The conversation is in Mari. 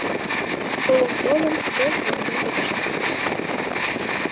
Толын-толын, чылт ноен пытышым.